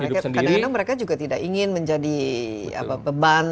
kadang kadang mereka juga tidak ingin menjadi beban